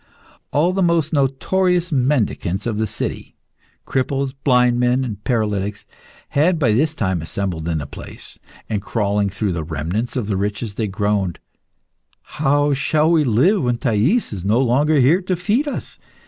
All the most notorious mendicants of the city cripples, blind men, and paralytics had by this time assembled in the place; and crawling through the remnants of the riches, they groaned "How shall we live when Thais is no longer here to feed us?